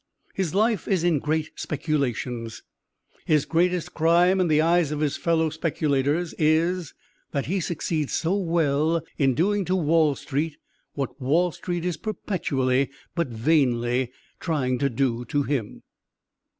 His life is in great speculations. His greatest crime in the eyes of his fellow speculators is, that he succeeds so well in doing to Wall Street, what Wall Street is perpetually, but vainly trying to do to him.